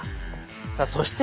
さあそして